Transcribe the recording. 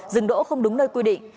dừng đỗ không đúng nơi quy định